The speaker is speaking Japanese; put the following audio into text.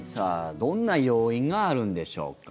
どんな要因があるんでしょうか。